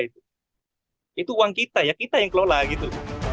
itu uang kita ya kita yang kelola gitu